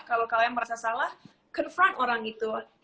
kalau kalian merasa salah confer orang itu